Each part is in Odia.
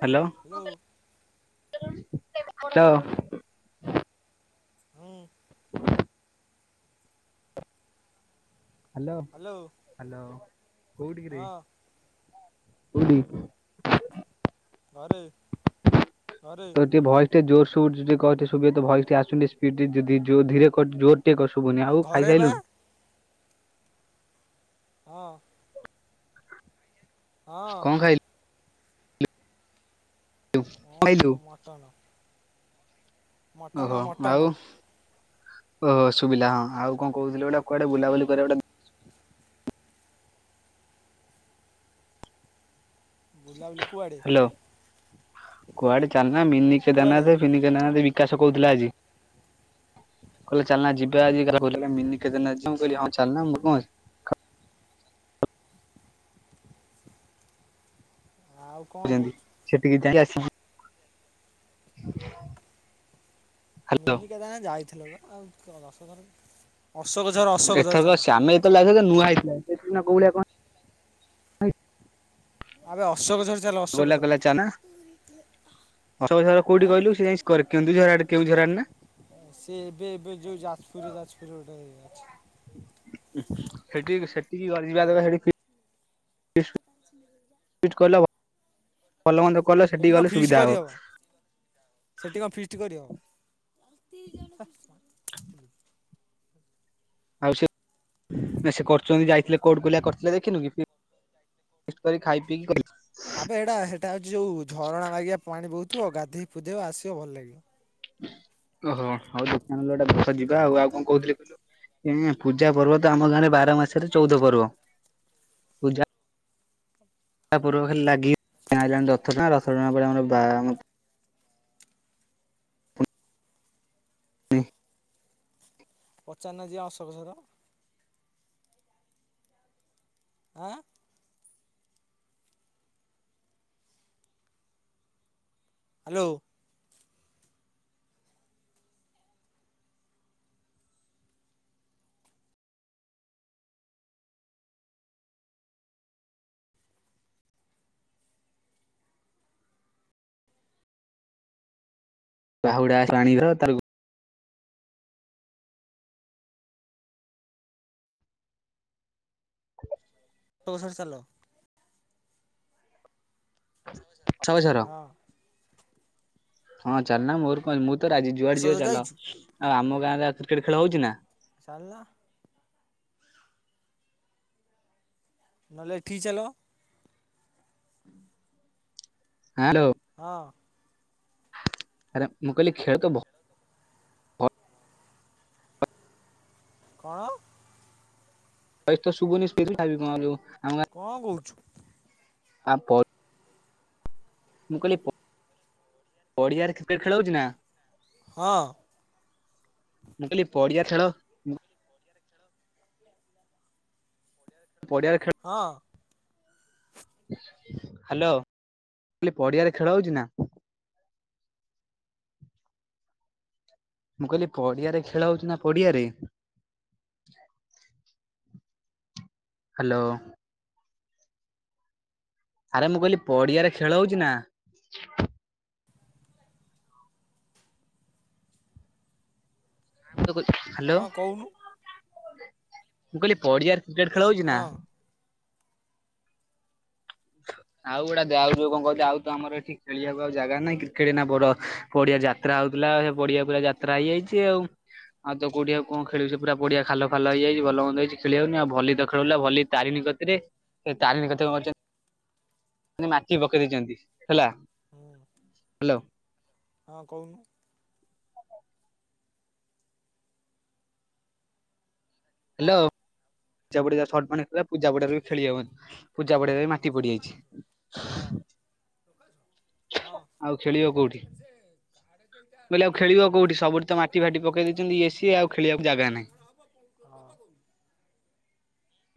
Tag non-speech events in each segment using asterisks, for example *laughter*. ହ୍ୟାଲୋ। ହ୍ୟାଲୋ। *unintelligible* ହୁଁ *inaudible* ହ୍ୟାଲୋ ହ୍ୟାଲୋ। ହଁ *unintelligible* ଘରେ ଘରେ। ତୋର ଟିକିଏ ଭଏସ ଟିକିଏ ଜୋରେ ସୋର ରେ କହ ଟିକେ ଶୁଭିବ ତୋ ଭଏସଟି ଆସୁନି ସ୍ପିଡି ଯଦି ଜୋ ଧୀରେ କ ଜୋର ଟିକେ କହ ଶୁଭୁନି ଆଉ ଘରେ ବା ଖାଇସାଇଲୁଣୁ? ହଁ ହଁ କଣ ଖାଇଲୁ କମ୍ ଖାଇଲୁ ମଟନ। ମଟନ ଓହୋ ମଟନ ଆଉ, ଓହୋ ଶୁଭିଲା ହଁ ଆଉ କଣ କହୁଥିଲି ଗୋଟେ କୁଆଡେ ବୁଲାବୁଲି କରିବା ଗୋଟେ *inaudible* ବୁଲାବୁଲି କୁଆଡ଼େ ହ୍ୟାଲୋ, କୁଆଡେ ଚାଲନା ମିନି କେଦାର କୁଆଡ଼େ ନାଥ ଫିନି କେଦାର ନାଥ ବିକାଶ କହୁଥିଲା ଆଜି। କହିଲେ ଚାଲନା ଯିବା ଆଜି କହୁଥିଲେ ମିନି କେଦାରନାଥ ଯିବା ମୁଁ କହିଲି ହଁ ଚାଲୁନ ମୋର କଣ ଅଛି। ଆଉ କଣ ଛନ୍ତି କହୁଛୁ ସେଠିକ ଯାଇ ଆସି ମିନିି କେଦାରନାଥ ଯାଇଥିଲ ବା, ଆଉ କଣ ଦଶ ଥର ଯିବ? ଅଶୋକଝର ଏଥରକ ଶ୍ୟାମେ ଯେତେବେଳେ ଯାଇଥିଲେ ନୂଆ ହେଇଥିଲା। ଏବେ ସିନା କୋଉଭଳିଆ କଣ ଆବେ ଗୋଲା କଲା ଚା ନା ହେଲେ ତ। ଅଶୋକଝର କୋଉଠି କହିଲୁ, ସେ ଯାଇ କେନ୍ଦୁଝର ଆଡେ କେଉଁଝର ଆଡେ ନା? ସିଏ ଏବେ ଏବେ ଯୋଉ ଯାଜପୁରରେ ଯାଜପୁରରେ ଗୋଟେ ଇଏ ଅଛି। *unintelligible* *inaudible* *unintelligible* ଭଲ ମନ୍ଦ କଲ ସେଠିକି ସେଠି କଣ ଗଲେ ଫିଷ୍ଟ ସୁବିଧା ହବ। କରିହବ? ସେଠି କଣ ଫିଷ୍ଟ କରି ହବ? ଆଉ ସେ ନା ସେ କରୁଛନ୍ତି ଯାଇଥିଲେ କୋଉଠି କଲିଆ କରିଥିଲେ ଦେଖିନୁ କି? ଫିଷ୍ଟ କରି ଖାଇ ପିଇକି ଗଲି। ଆବେ ଏଇଟା ହେଇଟା ହୋଉଛି ଯୋଉ ଝରଣା ବାଗିଆ ପାଣି ବହୁଥିବ, ଗାଧେଇ ପୁଧେଇବ ଆସିବ ଭଲ ଲାଗିବ। ଓହୋ। ହୋଉ ଦେଖିଆ ନହେଲେ ଗୋଟେ ବସ ଯିବା ଆଉ ଆଉ କଣ କହୁଥିଲି କହିଲ ଏ ପୂଜା ପର୍ବ ତ ଆମ ଗାଁରେ ବାର ମାସରେ ଚଉଦ ପର୍ବ। ପୂଜା ତା ପୂର୍ବ ରୁ ଖାଲି ଲାଗି ହେଲା ଆଜି ରଥ ଟଣା, ରଥ ଟଣା ପରେ ଆମ ବାମ ଇ ପଚାରୁନ ଯିବା ଅଶୋକଝର। ଆଁ। ହାଲୋ। କହୁଡା ଟାଣିିବ ତାକୁ ତସ ରେ ଚାଲ। ଅଶୋକଝର ହଁ। ହଁ ଚାଲୁ ନା ମୋର କଣ ଅଛି, ମୁଁ ତ ରାଜି। ଯୁଆଡେ ଅସୋଜ ଯିବ ଚାଲ। ଯାଇଛୁ? ଆଉ ଆମ ଗାଁରେ ଆଉ କ୍ରିକେଟ ଖେଳ ହେଉଛି ନା? ଚାଲୁନା। ନହେଲେ ଏଠିକି ଚାଲ। ହାଲୋ। ହଁ। ଆରେ ମୁଁ କହିଲି ଖେଳୁ ଥିବ କଣ? *unintelligible* କଣ କହୁଛୁ? ଆ ପ ମୁଁ କହିଲି ପ-ପଡିଆରେ କ୍ରିକେଟ୍ ଖେଳ ହୋଉଛି ନା? ହଁ। ମୁଁ କହିଲି ପଡ଼ିଆ ଖେଳ ମୁଁ ପଡ଼ିଆରେ ଖେ ହଁ। ହାଲୋ ଲି ପଡ଼ିଆରେ ଖେଳ ହୋଉଛି ନା? ମୁଁ କହିଲି ପଡ଼ିଆରେ ଖେଳ ହୋଉଚି ନା ପଡ଼ିଆରେ? ହାଲୋ। ଆରେ ମୁଁ କହିଲି ପଡ଼ିଆରେ ଖେଳ ହୋଉଚୀ ନା? ତୁ କ ହାଲୋ ହଁ କହୁନୁ ମୁଁ କହିଲି ପଡ଼ିଆରେ କ୍ରିକେଟ୍ ଖେଳ ହୋଉଛି ନା? ହଁ ଆଉ ଗୁଡ଼ା ଦେ ଆଉ ଯୋଉ କଣ କହୁଥୁଲି ଆଉ ତ ଆମର ଏଠି ଖେଳିବାକୁ ଆଉ ଜାଗା ନାଇଁ କ୍ରିକେଟ୍ ଏନା ବଡ଼ ପଡ଼ିଆ ଯାତ୍ରା ହୋଉଥୁଲା ଆ ସେ ପଡ଼ିଆ ପୁରା ଯାତ୍ରା ହେଇଯାଇଚି ଆଉ। ଆଉ ତ କୋଉଠି ଆଉ କଁ ଖେଳିଉ ସେ ପୁରା ପଡ଼ିଆ ଖାଲ ଫାଲ ହେଇଯାଇଛି ଭଲମନ୍ଦ ହେଇଚି ଖେଳି ହୋଉନି ଆଉ ଭଲି ତ ଖେଳ ହୋଉଥୁଲା ଭଲି ତାରିଣୀ କତିରେ ହେ ତାରିଣୀ କତିରେ କଁ କରିଚନ୍ ଅନେ ମାଟି ପକେଇ ଦେଇଚନ୍ତି ହେଲା। ହଁ ହ୍ୟାଲୋ ହଁ କହୁନୁ। ହେଲୋ ସେପଟେ ଯା ସ ମାନେ ରା ପୂଜା ପଡ଼ିଆରେ ବି ଖେଳି ହବନି। ପୂଜା ପଡ଼ିଆରେ ବି ମାଟି ହଁ ପଡିଯାଇଛି। ହଁ। ଆଉ ଖେଳିବ କୋଉଠି ମୁଁ କହିଲି ଆଉ ଖେଳିବ କୋଉଠି ସବୁଠି ତ ମାଟି ଫାଟି ପକେଇ ଦେଇଚନ୍ତି ଇଏ ସିଏ ଆଉ ଖେଳିବାକୁ ଜାଗା ନାହିଁ। ହଁ।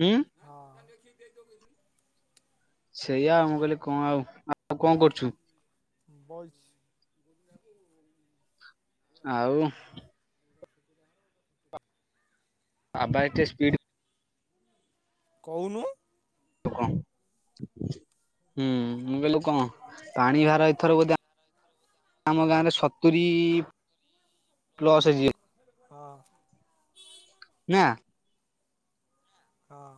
ଉଁ? ହଁ। ସେଇଆ ମୁଁ କହିଲି କଁ ଆଉ ଆ ବଇଛି। ଆଉ ଆ ବାଇ ଟିଏ ସ୍ପିଡ୍ କହୁନୁ। ଆଉ କଁ ହୁଁ ମୁଁ କହିଲୁ କଁ ପାଣି ଭାର ଏଥର ବୋଧେ ଆମ ଗାଁରେ ସତୁୁରୀ ପ୍ଲସ୍ ହେଇଯିଏ। ହଁ ନାଁ? ହଁ।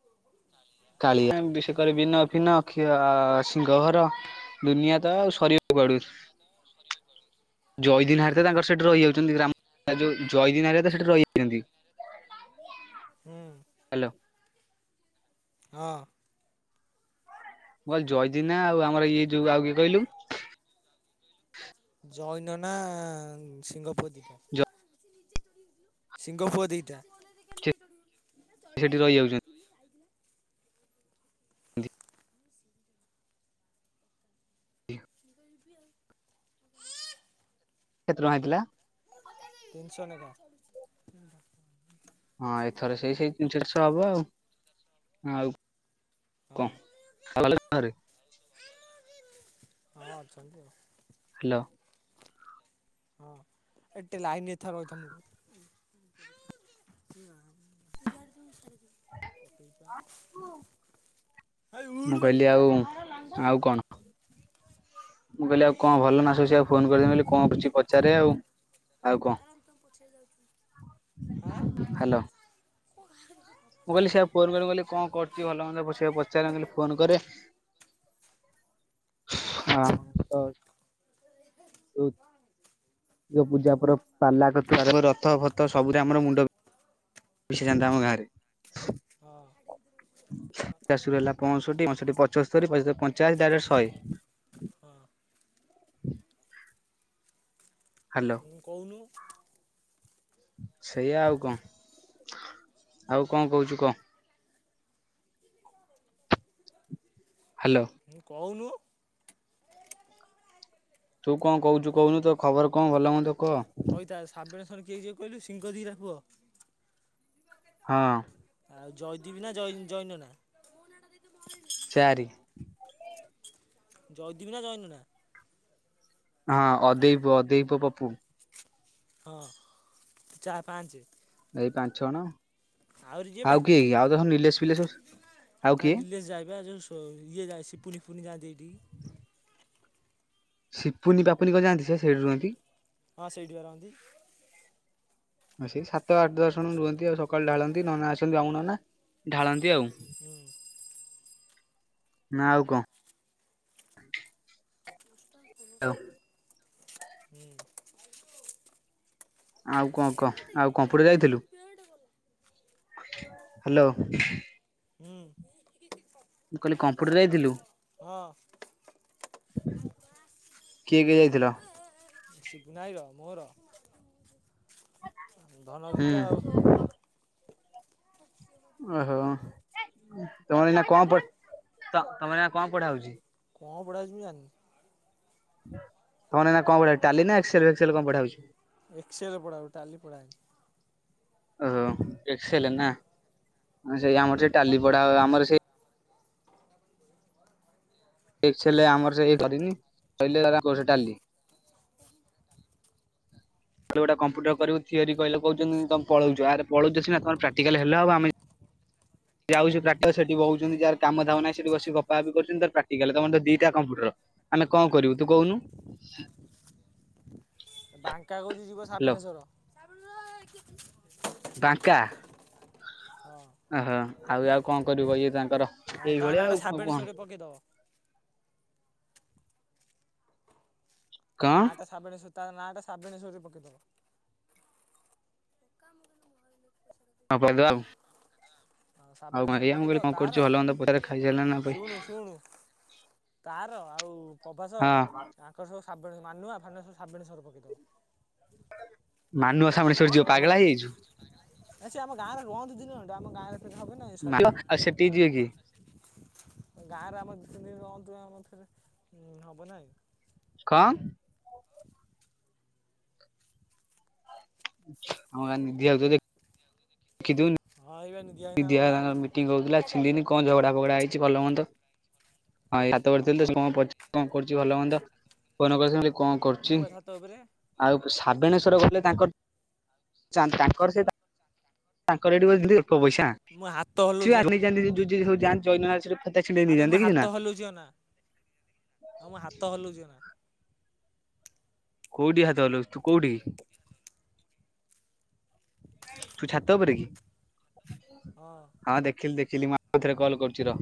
*inaudible* ଏଁ ବି ସେକରେ ବିନ ଫିନ ଖିଅ ସିଙ୍ଗହର ଦୁନିଆ ତ ଆଉ ସରି ଦୁନିଆ ତ ଆଉ ସରିବେ କୁଆଡ଼କୁ? ଜଇଦିନ୍ ହାରି ତ ତାଙ୍କର ସେଠି ରଇଯାଉଚନ୍ତି ଗ୍ରାମ୍ ଆ ଯୋଉ ଜଇଦିନ୍ ହାରିଆ ତ ସେଠି ରଇଚନ୍ତି। ହୁଁ। ହାଲୋ। ହଁ। ମୁଁ ଅ ଜଇଦିନା ଆଉ ଆମର ଇଏ ଯୋଉ ଆଉ କିଏ କହିଲୁ? ଜୟି ନନା ଶିଙ୍ଗ ପୁଅ ଦିଟା। ଶିଙ୍ଗ ପୁଅ ଦିଟା। ସେଠି ରହିଯାଉଚ ତୁ ତ ଏମତି ଆଉ। କେତେ ଟଙ୍କା ହେଇଥିଲା? ତିନିଶ ନେଖା। ହଁ ଏଥର ସେଇ ସେଇ ତିନିଶ ଚାରିଶ ହବ ଆଉ ଆଉ ହଁ କଣ *unintelligible* *unintelligible* ହଁ ଅଛନ୍ତି ଆଉ। ହ୍ୟାଲୋ? ହଁ ଏ ଟିକେ ଲାଇନରେ ଥା ରଇଥା ମୁଁ ସୋ *unintelligible* ହେ ମୁଁ କହିଲି ଉଠୁବେ। ଆଉ ଆଉ କଣ? ମୁଁ କହିଲି ଆଉ କଣ ଭଲ ନାସବୁ ଆକୁ ଫୋନ କରିବେ ଆଉ କଣ କିଛି ପଚାରେ ଆଉ। ଆଉ କଣ ହ୍ୟାଲୋ *unintelligible* ମୁଁ କହିଲି ସେ ଫୋନମୋନ୍ କରୁନି କଣ କରୁଛି ଭଲମନ୍ଦ ସେଇଆକୁ ପଚାରେ। ଚାଲ ମୁଁ କହିଲି ଫୋନ କରେ ହଁ। ତ ହ *inaudible* *unintelligible* ପୂଜା ପର୍ବ ପାଲା କତିରୁ ରଥ ପଥ ସବୁରେ ଆମର ମୁଣ୍ଡ ହେଇଯାଆନ୍ତା ଆମ ଗାଁରେ। ହଁ। ପଞ୍ଚସ୍ତରୀ ପଞ୍ଚାଅଶୀ ଡାଇରେକ୍ଟ ଶଏ। ହଁ। ହାଲୋ। କହୁନୁ। ସେଇଆ ଆଉ କଣ ଆଉ କଣ କହୁଛୁ କହ? ହ୍ୟାଲୋ। ହୁଁ କହୁନୁ। ତୁ କଣ କହୁଛୁ କହୁନୁ ତୋ ଖବର କଣ ଭଲ ମନ୍ଦ? କହ ସଇତା ସାବବେଣେଶ ଶଣେ କିଏ ଯିବ କହିଲୁ ସିଙ୍ଗହ ଦିଟା କୁହ ହଁ। ଆଉ ଜୟଦୀବି ନା ଜୈ ଜୈନ ନା? ଚାରି। ଜୟଦୀବି ନା ଜୈନ ନା? ହଁ ଅଦେଇ ପୁଅ ଅଦେଇ ପୁଅ ପପୁ। ହଁ ଚା ପାଞ୍ଚେ। ଏଇ ପାଞ୍ଚ ଛ ଜଣ ଆହୁରି ଯିଏ ବେ ଆଉ କିଏ କି ଆଉ ତ ନିଲେଶ୍, ଫିଲେଶ୍ ହଁ ନିଲେଶ୍ ଯାଏପା ଯଉ ଇଏ ଯାଏ ସିପୁନି ଫିପୁନି ଯାଆନ୍ତି ହେଇଠିକି। ସିପୁନି, ପାପୁନି କଣ ଯାଆନ୍ତି ସିଏପା ସେଇଠି ରୁହନ୍ତି। ହଁ ସେଇଠିପା ରହନ୍ତି। ହ *inaudible* ସେଇ ସାତ ଆଠ ଦଶ ଜଣ ରୁହନ୍ତି ଆଉ ସକାଳୁ ଢାଳନ୍ତି ନନା ଆସନ୍ତି ବ୍ରାହ୍ମଣ ନନା ଢାଳନ୍ତି ଆଉ। ହୁଁ ନା ଆଉ କ? ଆଉ ହୁଁ। *unintelligible* ଆଉ କଣ କ ଆଉ କମ୍ପ୍ୟୁଟର ଯାଇଥିଲୁ। ହଁ ହ୍ୟାଲୋ। ହୁଁ। ମୁଁ କହିଲି କମ୍ପୁଟରରେ ଯାଇଥିଲୁ? ହଁ। କିଏ କିଏ ଯାଇଥିଲ? ଶିବୁନା ଭାଇର ମୋର ଧନ ହୁଁ ଦିଟା ଆଉ। ଓହୋ। ତମର ଏଇନା କଣ ପ ତମର ଏଇନା କଣ ପଢା ହଉଛି? କଣ ପଢ଼ାହେଇଚି ମୁଁ ଜାଣିନି। ତମର ଏଇନା କଣ ପଢା ହଉ ଟାଲି ନା ଏକ୍ସସେଲ ଫେକ୍ସସେଲ କଣ ପଢାହୋଉଚି? Excel ପଢାହଉଚି Tally ପଢ଼ାହେଇନି। ଓହୋ ଏକ୍ସଲେ ନା? ସେଇ ଆମର ସେ ଟାଲି ପଢା ହବ ଆମର ସେ ଏକ୍ସଏଲ ରେ ଆମର ସେଇ କରିନି ସରିଲେ *unintelligible* ଟାଲି ଖାଲି ଗୋଟେ ହୁଁ କମ୍ପୁଟର କରିବୁ ଥିଓରି କହିଲେ କହୁଚନ୍ତି ତମେ ପଳଉଚ, ଆରେ ପଳଉଚ ସିନା ତମ ପ୍ରାକଟିକାଲ ହେଲେ ହବ ଆମେ ଯିଏ ଆଉଛି ପ୍ରାକଟିକାଲ ସେଠି ବଉଚନ୍ତି ଯାର କାମ ଧାମ ନାହିଁ ସେଠି ବସି ଗପାଗପି କରୁଚନ୍ତି ତାର ପ୍ରାକଟିକାଲ ତମର ଦିଟା କମ୍ପ୍ୟୁଟର। ଆମେ କଣ କରିବୁ ତୁ କହୁନୁ? ବାଙ୍କା କହୁଛି ଯିବ ହ୍ୟାଲୋ ସାବେଣେଶ୍ଵର। ବାଙ୍କା? ହଁ। ଓହୋ ଆଉ ଆଉ କଣ କରିବ ଇଏ ତାଙ୍କର ହଁ ତା ଏଇଭଳିଆ ନାଁ ଆଉ ଟା କଣ ସାବେଣେଶ୍ୱର ରେ ପକେଇଦବ। ତା କଣ ନାଁଟା ସାବଣେସ୍ୱ ତା ନାଁ ଟା ସାବଣେଶ୍ୱରେ ପକେଇଦବ। ହଁ ପକେଇଦବା ଆଉ। ହଁ ଆଉ ସାବେଣେଶ୍ୱର ମାହିଆ ମୁଁ ପକେଇଦବ କହିଲି କଣ ତାର କରୁଚୁ ଭଲ ମନ୍ଦ ପଚାରେ ଖାଇ ସାରିଲଣିନା ଶୁଣୁ ଶୁଣୁ ତାର ଆଉ ପ୍ରଭାସ ହଁ ତାଙ୍କର ସବୁ ଶାବଣୀ ମାନୁଆ ଫାନୁଆ ସବୁ ସାବଣେଶ୍ୱର ପକେଇଦବୁ। ମାନୁଆ ସାବଣେଶ୍ଵର ଯିବ ପାଗଳା ହେଇଯାଇଚୁ। ଆ ସେ ଆମ ଗାଁରେ ରୁହନ୍ତୁ ଦିନଟା ଆମ ଗାଁରେ ତୋର ହବ ନାଁ? ଆଉ ସେଠିକି ଜିବେ କିଏ? ଗାଁରେ ଆମର ଦି ତିନି ଦିନ ରଅନ୍ତୁ ଆମର ଫେରେ ହବ ନାଇଁ। କଁ? ଆମ ଗାଁ ନିଧିଆ କୁ ଯଦି *unintelligible* ଦେଖିଉନି ହଁ ଏଇବା ନିଧିଆ ଭାଇନା ଗଲା ନିିର ମିଟିଙ୍ଗ ହଉଥିଲା ଛିଣ୍ଡିନି କଣ ଝଗଡା ଫଗଡା ହେଇଛି ଭଲ ମନ୍ଦ ହଁ ଏ ହାତ ବଢିଥିଲେ ସେ କଣ ପଚା କଣ କରୁଛି ଭଲ ମନ୍ଦ ଫୋନ କରିଥିଲି ମୁଁ କହିଲି କଣ ମୁଁ କରୁଚି? ବା ଛାତ ଉପରେ। ଆଉ କ ସାବେଣେଶ୍ଵର ଗଲେ ତାଙ୍କର ଚା ତାଙ୍କର ସେ ତାଙ୍କର ଏଠିି ଅଳ୍ପ ପଇସା ମୋ ହାତ *inaudible* ହଲଉଚି ଅନା ସାନ୍ତି ଜ ଆବେ ମୁଁ ହାତ ହଲଉଚି ଅନା, ହଁ ମୁଁ ହାତ ହଲଉଚି ଅନା। କୋଉଠି ହାତ ହଲଉଚୁ ତୁ କୋଉଠି? ତୁ ଛାତ ଉପରେ କି? ହଁ ଦେଖିଲି ଦେଖ ଚିଲି ମୁଁ ଆଉ ଥରେ କଲ୍ କରୁଚି ର।